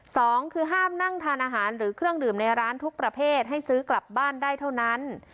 สองคือห้ามนั่งทานอาหารหรือเครื่องดื่มในร้านทุกประเภทให้ซื้อกลับบ้านได้เท่านั้น